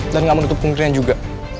dan gak menutup kumpirnya juga